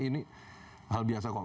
ini hal biasa kok